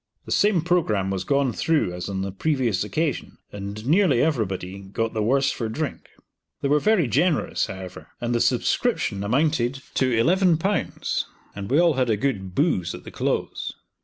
The same programme was gone through as on the previous occasion, and nearly everybody got the worse for drink. They were very generous, however, and the subscription amounted to Ł11, and we all had a good "booze" at the close.